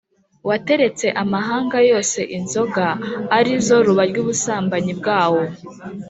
wateretse amahanga yose inzoga ari zo ruba ry’ubusambanyi bwawo.